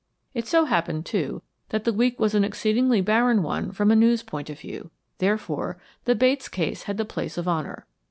It so happened, too, that the week was an exceedingly barren one from a news point of view; therefore, the Bates case had the place of honor.